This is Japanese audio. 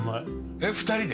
えっ２人で？